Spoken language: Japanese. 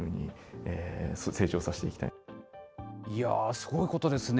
すごいことですね。